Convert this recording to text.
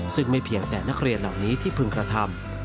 ซึ่งไม่เพียงแต่นักเรียนเหล่านี้ที่พึงกระทำ